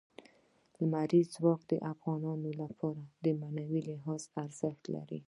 لمریز ځواک د افغانانو لپاره په معنوي لحاظ ارزښت لري.